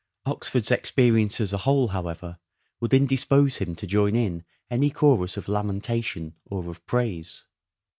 Oxford's experience as a whole, however, would indispose him to join in any chorus of lamentation or of praise.